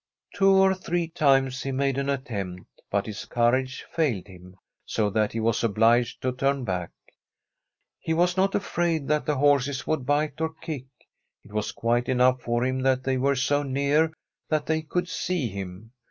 Two or three times he made an attempt, but his courage failed him, so that he was obliged to turn back. He was not afraid that the horses would bite or kick. It was quite enough for him that they were so near that they could see him.